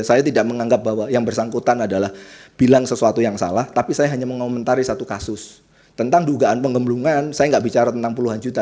saya tidak menganggap bahwa yang bersangkutan adalah bilang sesuatu yang salah tapi saya hanya mengomentari satu kasus tentang dugaan penggemblungan saya nggak bicara tentang puluhan juta